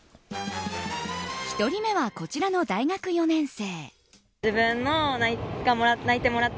１人目はこちらの大学４年生。